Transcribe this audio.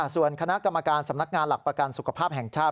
ส่วนคณะกรรมการสำนักงานหลักประกันสุขภาพแห่งชาติ